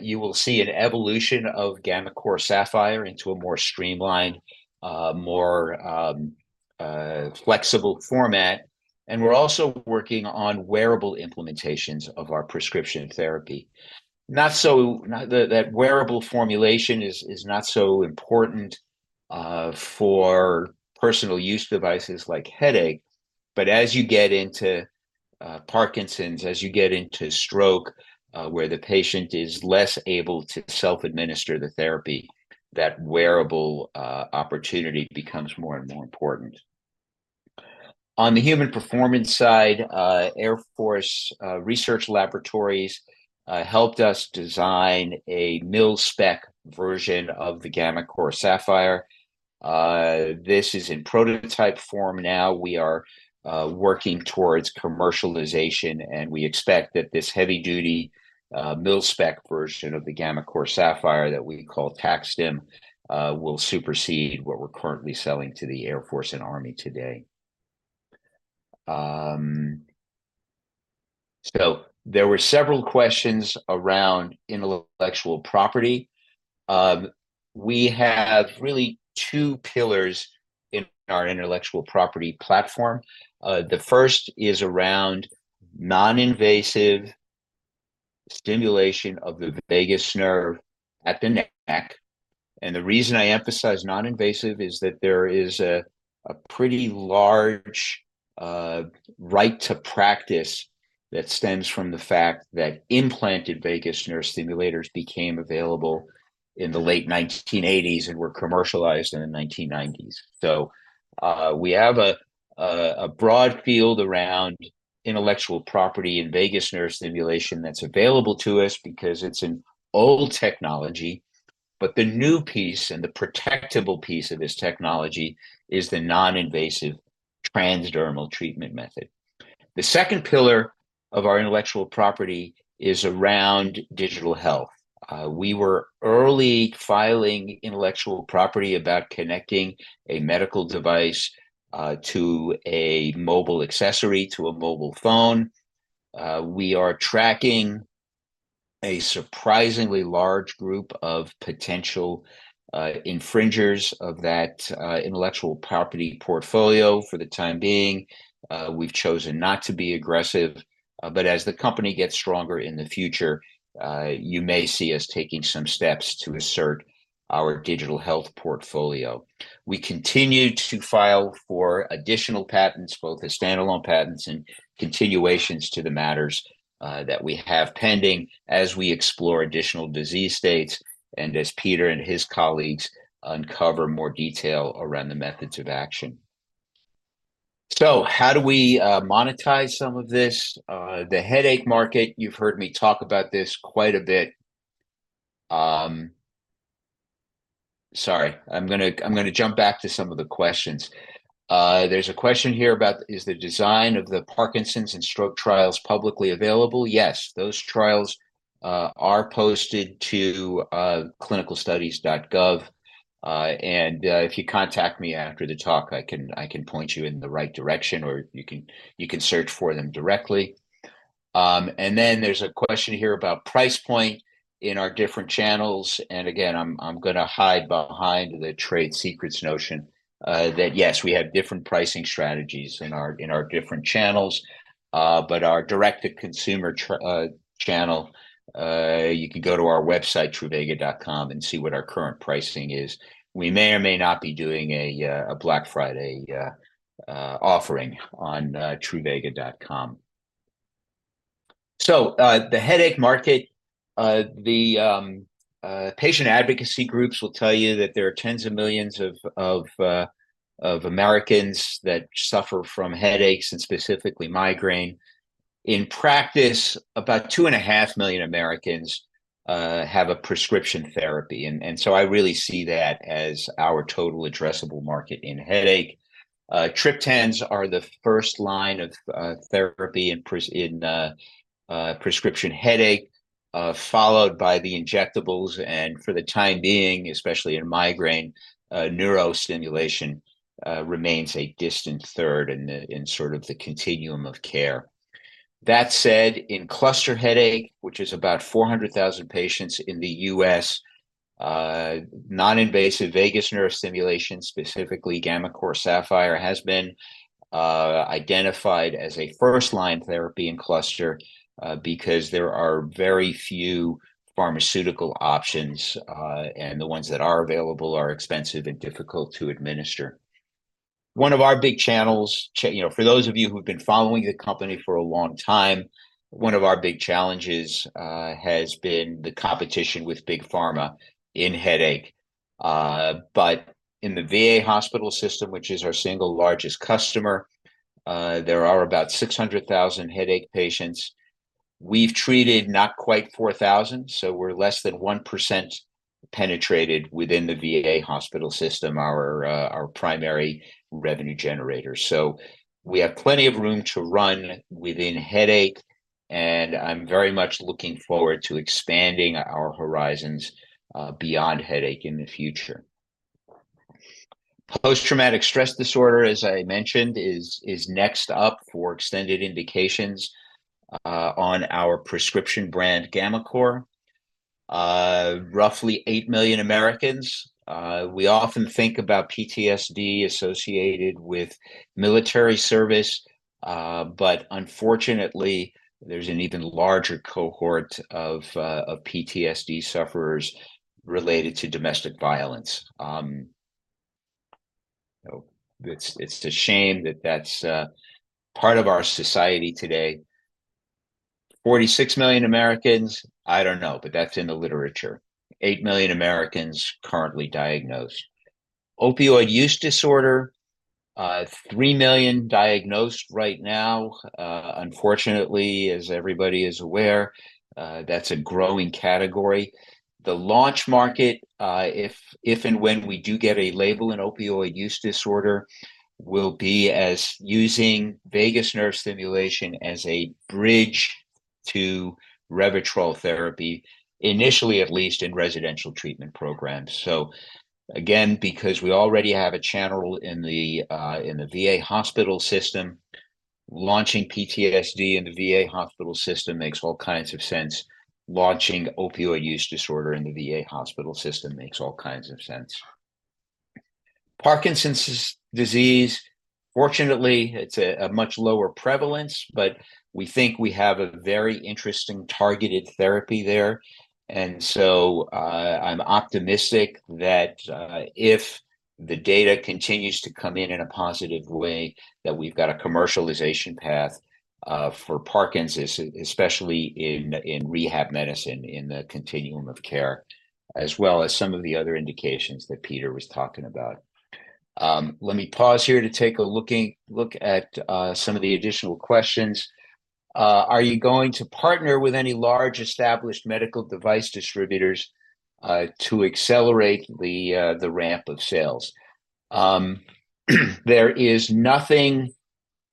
you will see an evolution of gammaCore Sapphire into a more streamlined, more flexible format, and we're also working on wearable implementations of our prescription therapy. Not so. Not that the wearable formulation is not so important for personal use devices like headache, but as you get into Parkinson's, as you get into stroke, where the patient is less able to self-administer the therapy, that wearable opportunity becomes more and more important. On the human performance side, Air Force Research Laboratories helped us design a mil spec version of the gammaCore Sapphire. This is in prototype form now. We are working towards commercialization, and we expect that this heavy duty, mil spec version of the gammaCore Sapphire that we call TacStim, will supersede what we're currently selling to the Air Force and Army today. So there were several questions around intellectual property. We have really two pillars in our intellectual property platform. The first is around non-invasive stimulation of the vagus nerve at the neck. And the reason I emphasize non-invasive is that there is a pretty large right to practice that stems from the fact that implanted vagus nerve stimulators became available in the late 1980s and were commercialized in the 1990s. So, we have a broad field around intellectual property in vagus nerve stimulation that's available to us because it's an old technology, but the new piece, and the protectable piece of this technology, is the non-invasive transdermal treatment method. The second pillar of our intellectual property is around digital health. We were early filing intellectual property about connecting a medical device to a mobile accessory, to a mobile phone. We are tracking a surprisingly large group of potential infringers of that intellectual property portfolio. For the time being, we've chosen not to be aggressive, but as the company gets stronger in the future, you may see us taking some steps to assert our digital health portfolio. We continue to file for additional patents, both as standalone patents and continuations to the matters that we have pending as we explore additional disease states, and as Peter and his colleagues uncover more detail around the methods of action. So how do we monetize some of this? The headache market, you've heard me talk about this quite a bit. Sorry, I'm gonna jump back to some of the questions. There's a question here about: "Is the design of the Parkinson's and stroke trials publicly available?" Yes, those trials are posted to ClinicalTrials.gov. And if you contact me after the talk, I can point you in the right direction, or you can search for them directly. Then there's a question here about price point in our different channels, and again, I'm gonna hide behind the trade secrets notion that yes, we have different pricing strategies in our different channels. But our direct-to-consumer channel, you can go to our website, truvaga.com, and see what our current pricing is. We may or may not be doing a Black Friday offering on truvaga.com. The headache market, the patient advocacy groups will tell you that there are tens of millions of Americans that suffer from headaches and specifically migraine. In practice, about 2.5 million Americans have a prescription therapy, and so I really see that as our total addressable market in headache. Triptans are the first line of therapy in prescription headache, followed by the injectables, and for the time being, especially in migraine, neurostimulation remains a distant third in sort of the continuum of care. That said, in cluster headache, which is about 400,000 patients in the US, non-invasive vagus nerve stimulation, specifically gammaCore Sapphire, has been identified as a first-line therapy in cluster, because there are very few pharmaceutical options, and the ones that are available are expensive and difficult to administer. One of our big channels, you know, for those of you who've been following the company for a long time, one of our big challenges has been the competition with Big Pharma in headache. But in the VA hospital system, which is our single largest customer, there are about 600,000 headache patients. We've treated not quite 4,000, so we're less than 1% penetrated within the VA hospital system, our primary revenue generator. So we have plenty of room to run within headache, and I'm very much looking forward to expanding our horizons beyond headache in the future. Post-traumatic stress disorder, as I mentioned, is next up for extended indications on our prescription brand, gammaCore. Roughly 8 million Americans, we often think about PTSD associated with military service, but unfortunately, there's an even larger cohort of PTSD sufferers related to domestic violence. So it's a shame that that's part of our society today. 46 million Americans, I don't know, but that's in the literature. 8 million Americans currently diagnosed. Opioid use disorder, three million diagnosed right now. Unfortunately, as everybody is aware, that's a growing category. The launch market, if and when we do get a label in opioid use disorder, will be as using vagus nerve stimulation as a bridge to Revia therapy, initially, at least in residential treatment programs. So again, because we already have a channel in the VA hospital system, launching PTSD in the VA hospital system makes all kinds of sense. Launching opioid use disorder in the VA hospital system makes all kinds of sense. Parkinson's disease, fortunately, it's a much lower prevalence, but we think we have a very interesting targeted therapy there. So, I'm optimistic that if the data continues to come in in a positive way, that we've got a commercialization path for Parkinson's, especially in rehab medicine, in the continuum of care, as well as some of the other indications that Peter was talking about. Let me pause here to take a look at some of the additional questions. "Are you going to partner with any large, established medical device distributors to accelerate the ramp of sales?" There is nothing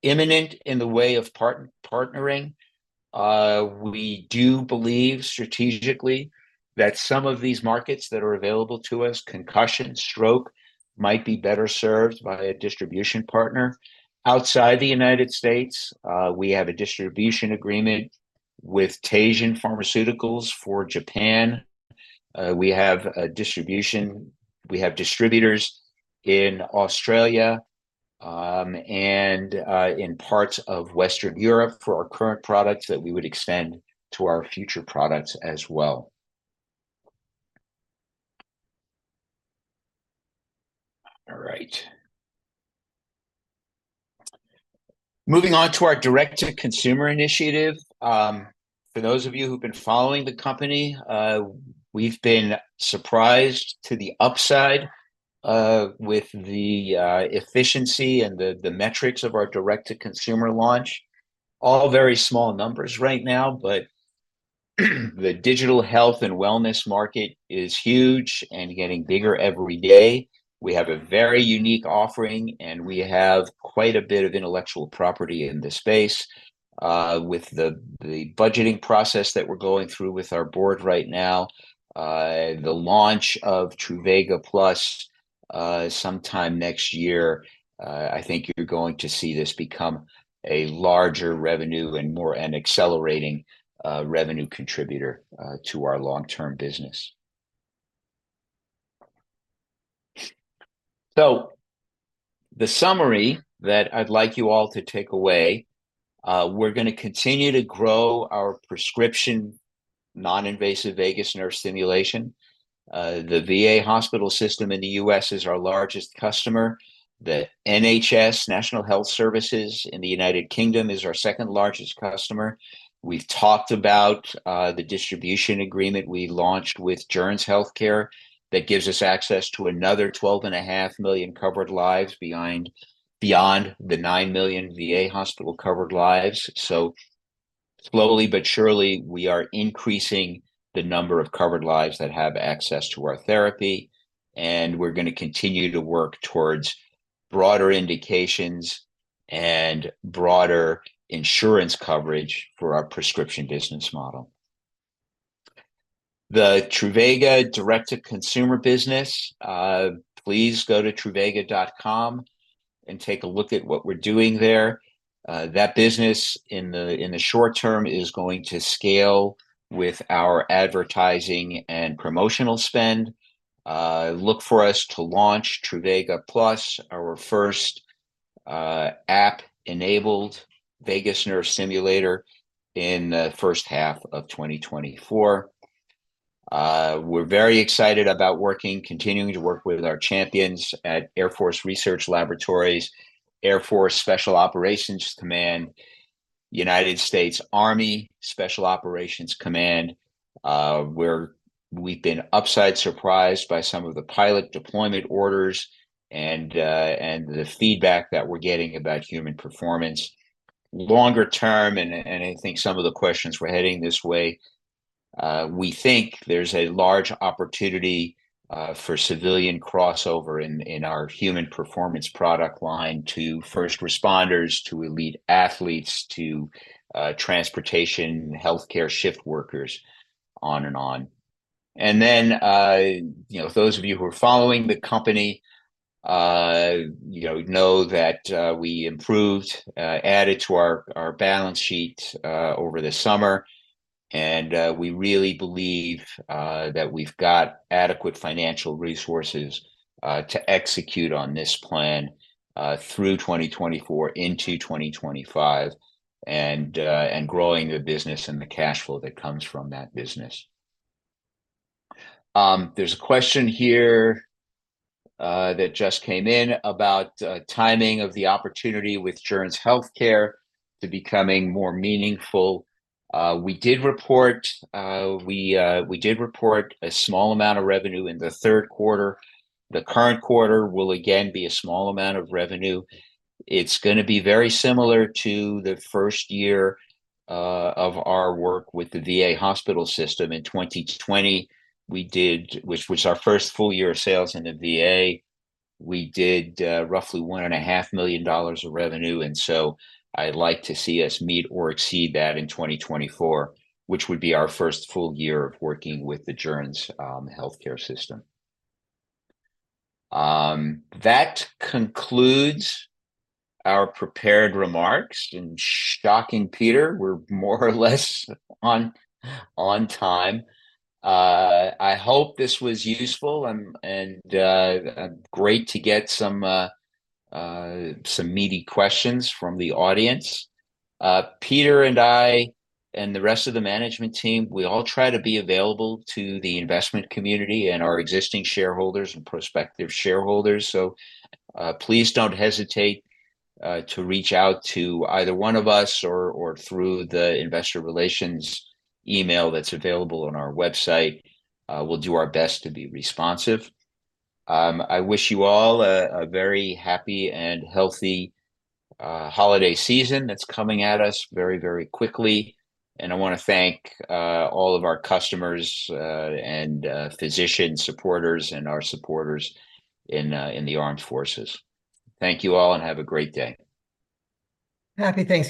imminent in the way of partnering. We do believe strategically that some of these markets that are available to us, concussion, stroke, might be better served by a distribution partner. Outside the United States, we have a distribution agreement with Teijin Pharmaceuticals for Japan. We have distributors in Australia, and in parts of Western Europe for our current products that we would extend to our future products as well. All right. Moving on to our direct-to-consumer initiative. For those of you who've been following the company, we've been surprised to the upside with the efficiency and the metrics of our direct-to-consumer launch. All very small numbers right now, but the digital health and wellness market is huge and getting bigger every day. We have a very unique offering, and we have quite a bit of intellectual property in this space. With the budgeting process that we're going through with our board right now, the launch of Truvaga Plus sometime next year, I think you're going to see this become a larger revenue and more an accelerating revenue contributor to our long-term business. So the summary that I'd like you all to take away, we're gonna continue to grow our prescription non-invasive vagus nerve stimulation. The VA hospital system in the US is our largest customer. The NHS, National Health Services in the United Kingdom, is our second largest customer. We've talked about the distribution agreement we launched with Journeys Healthcare. That gives us access to another 12.5 million covered lives beyond the 9 million VA hospital covered lives. So slowly but surely, we are increasing the number of covered lives that have access to our therapy, and we're gonna continue to work towards broader indications and broader insurance coverage for our prescription business model. The Truvaga direct-to-consumer business, please go to truvaga.com and take a look at what we're doing there. That business in the short term is going to scale with our advertising and promotional spend. Look for us to launch Truvaga Plus, our first app-enabled vagus nerve stimulator, in the first half of 2024. We're very excited about continuing to work with our champions at Air Force Research Laboratories, Air Force Special Operations Command, United States Army Special Operations Command, where we've been upside surprised by some of the pilot deployment orders and the feedback that we're getting about human performance. Longer term, and, and I think some of the questions were heading this way, we think there's a large opportunity, for civilian crossover in, in our human performance product line to first responders, to elite athletes, to, transportation, healthcare shift workers, on and on. And then, you know, those of you who are following the company, you know, know that, we improved, added to our, our balance sheet, over the summer, and, we really believe, that we've got adequate financial resources, to execute on this plan, through 2024 into 2025, and, and growing the business and the cash flow that comes from that business. There's a question here, that just came in about, timing of the opportunity with Journeys Healthcare to becoming more meaningful We did report a small amount of revenue in the third quarter. The current quarter will again be a small amount of revenue. It's gonna be very similar to the first year of our work with the VA hospital system in 2020. Which was our first full year of sales in the VA. We did roughly $1.5 million of revenue, and so I'd like to see us meet or exceed that in 2024, which would be our first full year of working with the Journeys Healthcare system. That concludes our prepared remarks, and shocking Peter, we're more or less on time. I hope this was useful and great to get some meaty questions from the audience. Peter and I, and the rest of the management team, we all try to be available to the investment community and our existing shareholders and prospective shareholders. So, please don't hesitate to reach out to either one of us or through the investor relations email that's available on our website. We'll do our best to be responsive. I wish you all a very happy and healthy holiday season that's coming at us very, very quickly. And I wanna thank all of our customers and physician supporters, and our supporters in the Armed Forces. Thank you all, and have a great day. Happy Thanksgiving!